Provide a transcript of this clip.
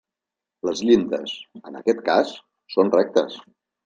Les llindes, en aquest cas, són rectes.